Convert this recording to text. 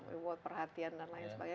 reward perhatian dan lain sebagainya